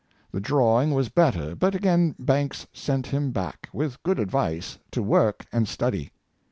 The drawing was better ; but again Banks sent him back, with good advice, to work and study.